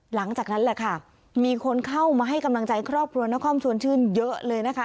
หลังจากนั้นแหละค่ะมีคนเข้ามาให้กำลังใจครอบครัวนครชวนชื่นเยอะเลยนะคะ